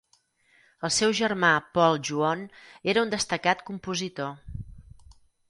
El seu germà Paul Juon era un destacat compositor.